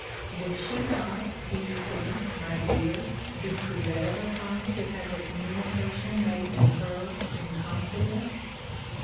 Would she not, do you think, my dear, be prevailed upon to have the communication made to her, in confidence?